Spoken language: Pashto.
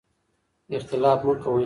اختلاف مه کوئ.